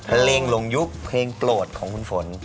เพลงหลงยุคเพลงโปรดของคุณฝน